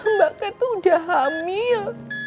mbak ket udah hamil